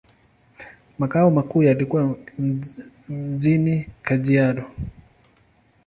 Makao makuu yalikuwa mjini Kajiado.